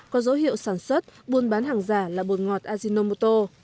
có dấu hiệu sản xuất buôn bán hàng giả là bột ngọt azinomoto